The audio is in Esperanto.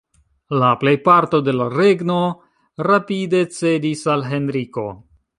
La plejparto de la regno rapide cedis al Henriko.